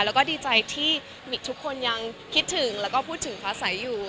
แล้วก็ดีใจที่ทุกคนยังคิดถึงแล้วก็พูดถึงพระสัยอยู่